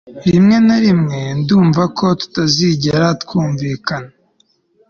rimwe na rimwe ndumva ko tutazigera twumvikana. (erikspen